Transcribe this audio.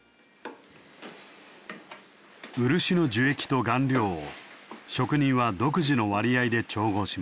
漆の樹液と顔料を職人は独自の割合で調合します。